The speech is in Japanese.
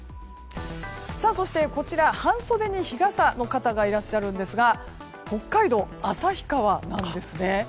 そしてこちら、半袖に日傘の方がいらっしゃるんですが北海道旭川なんですね。